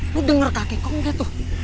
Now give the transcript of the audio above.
lo denger kakek kongke tuh